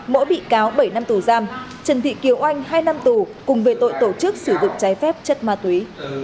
mỗi bị cáo bảy năm tù giam trần thị kiều oanh hai năm tù cùng về tội tổ chức sử dụng trái phép chất ma túy